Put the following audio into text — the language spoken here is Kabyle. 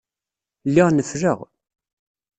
Lliɣ nefleɣ.